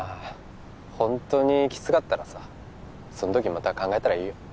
ホントにキツかったらさその時また考えたらいいよ